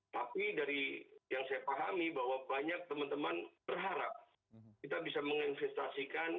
tapi dari yang saya pahami bahwa banyak teman teman berharap kita bisa menginvestasikan